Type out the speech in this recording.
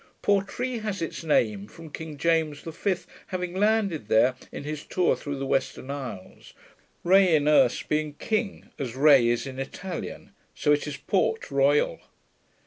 Portree has its name from King James the Fifth having landed there in his tour through the Western Isles, Ree in Erse being King, as Re is in Italian; so it is Port Royal.